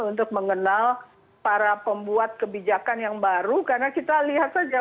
untuk mengenal para pembuat kebijakan yang baru karena kita lihat saja